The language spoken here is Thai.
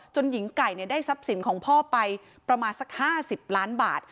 หญิงไก่ได้ทรัพย์สินของพ่อไปประมาณสัก๕๐ล้านบาท